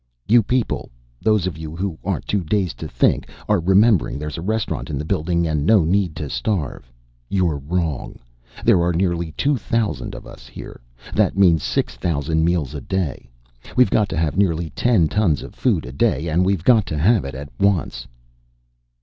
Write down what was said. "You people those of you who aren't too dazed to think are remembering there's a restaurant in the building and no need to starve. You're wrong. There are nearly two thousand of us here. That means six thousand meals a day. We've got to have nearly ten tons of food a day, and we've got to have it at once."